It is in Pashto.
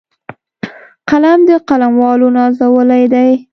قلم د قلموالو نازولی دی